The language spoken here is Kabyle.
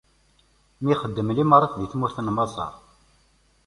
Mi yexdem limaṛat di tmurt n Maṣer.